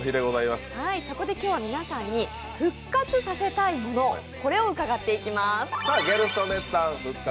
そこで今日は皆さんに復活させたいものを伺っていきます。